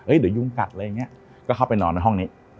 เดี๋ยวยุงกัดอะไรอย่างนี้ก็เข้าไปนอนในห้องนี้